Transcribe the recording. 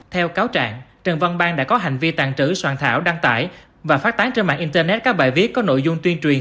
theo cáo trạng trần văn bang đã có hành vi tàn trữ soạn thảo đăng tải và phát tán trên mạng internet các bài viết có nội dung tuyên truyền